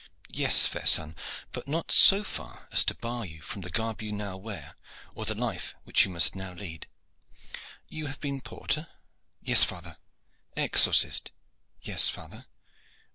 "Yes, fair son, but not so far as to bar you from the garb you now wear or the life which you must now lead. You have been porter?" "Yes, father." "Exorcist?" "Yes, father."